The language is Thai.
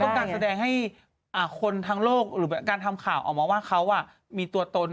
การแสดงให้คนทั้งโลกหรือการทำข่าวออกมาว่าเขามีตัวตน